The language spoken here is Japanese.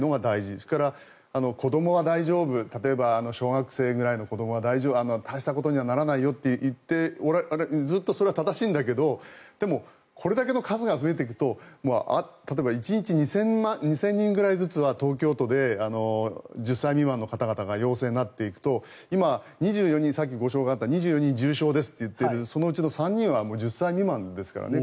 あとは子どもは大丈夫小学生の子どもぐらいは大したことにはならないと言ってるのは正しいんだけどこれだけの数が増えていくと例えば１日２０００人ぐらいずつは東京都で１０歳未満の方々が陽性になっていくと今、２４人さっき紹介あった２４人重症ですというのはそのうちの３人は１０歳未満ですからね。